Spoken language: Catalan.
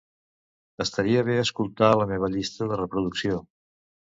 Estaria bé escoltar la meva llista de reproducció.